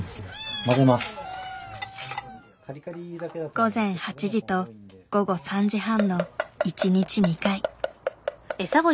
午前８時と午後３時半の一日２回。